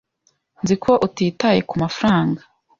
Nzi ko utitaye kumafaranga.